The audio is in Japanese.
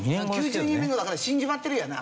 ９２年後だから死んじまってるよな。